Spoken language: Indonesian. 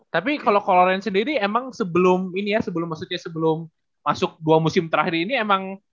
tapi kalo loren sendiri emang sebelum ini ya sebelum maksudnya sebelum masuk dua musim terakhir ini emang